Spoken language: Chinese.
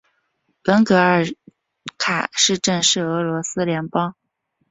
文格尔卡市镇是俄罗斯联邦伊尔库茨克州泰舍特区所属的一个市镇。